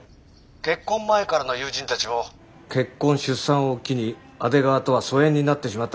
結婚前からの友人たちも結婚出産を機に阿出川とは疎遠になってしまったと話してる。